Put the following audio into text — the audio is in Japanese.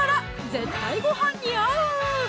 絶対ごはんに合う！